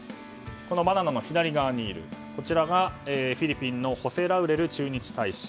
バナナの左側にいるこちらがフィリピンのホセ・ラウレル駐日大使。